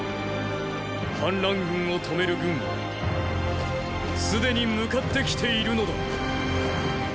反乱軍を止める軍はすでに向かって来ているのだ。